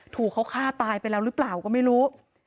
ถูกเขาฆ่าตายไปแล้วหรือเปล่าก็ไม่รู้